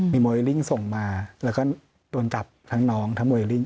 มีโมเลลิ่งส่งมาแล้วก็โดนจับทั้งน้องทั้งโมเลลิ่ง